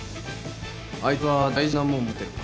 アイツは大事なもん持ってるか？